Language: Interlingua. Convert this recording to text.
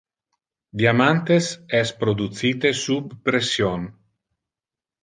Diamantes es producite sub pression.